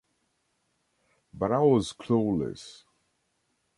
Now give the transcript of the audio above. But I was clueless.